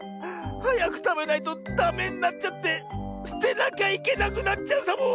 はやくたべないとダメになっちゃってすてなきゃいけなくなっちゃうサボ。